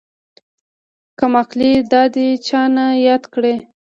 کمقلې دادې چانه ياد کړي.